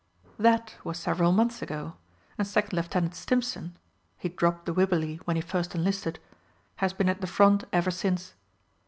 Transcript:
That was several months ago, and Second Lieutenant Stimpson (he dropped the "Wibberley" when he first enlisted) has been at the front ever since.